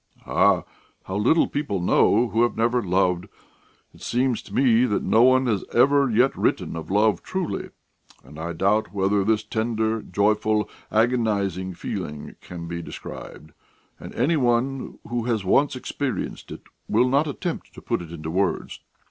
"Ah, how little people know who have never loved! It seems to me that no one has ever yet written of love truly, and I doubt whether this tender, joyful, agonising feeling can be described, and any one who has once experienced it would not attempt to put it into words.